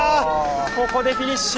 ここでフィニッシュ。